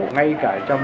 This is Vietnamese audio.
ngay cả trong